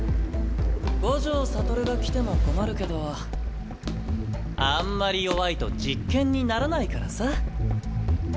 五条悟が来ても困るけどあんまり弱いと実験にならないからさ。